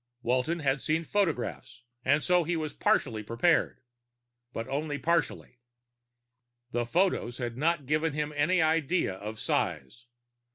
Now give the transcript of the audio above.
Walton had seen the photographs, and so he was partially prepared. But only partially. The photos had not given him any idea of size.